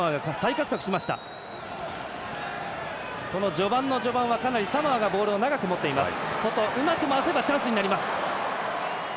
序盤の序盤は、かなりサモアがボールを長く持っています。